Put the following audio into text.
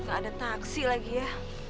gak ada taksi lagi ya